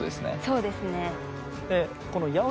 そうですね。